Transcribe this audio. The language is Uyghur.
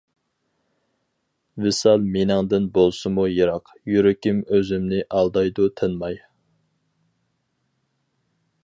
ۋىسال مېنىڭدىن بولسىمۇ يىراق، يۈرىكىم ئۆزۈمنى ئالدايدۇ تىنماي.